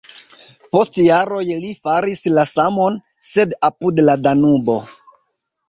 Post jaroj li faris la samon, sed apud la Danubo.